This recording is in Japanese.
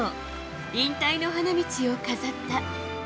引退の花道を飾った。